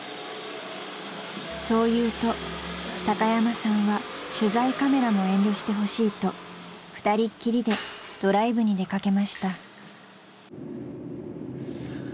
［そう言うと高山さんは取材カメラも遠慮してほしいと二人っきりでドライブに出掛けました］